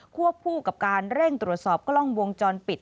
วบคู่กับการเร่งตรวจสอบกล้องวงจรปิด